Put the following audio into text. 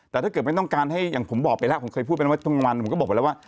แต่ถ้าเกิดไม่ต้องการให้อย่างผมบอกไปแล้วผมเคยพูดไปว่าทุกวันผมก็บอกไปแล้วว่า